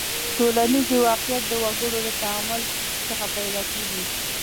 ټولنیز واقعیت د وګړو له تعامل څخه پیدا کیږي.